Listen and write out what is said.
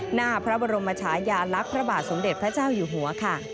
หน้าพระบรมชายาลักษณ์พระบาทสมเด็จพระเจ้าอยู่หัวค่ะ